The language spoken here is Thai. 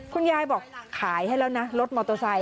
คุณยายบอกขายให้แล้วนะรถมอเตอร์ไซค